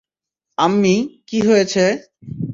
আম্মি, কি হয়েছে?